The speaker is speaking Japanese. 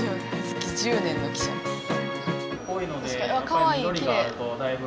かわいいきれい。